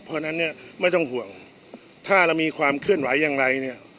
เพราะฉะนั้นเนี่ยไม่ต้องห่วงถ้าเรามีความเคลื่อนไหวอย่างไรเนี่ย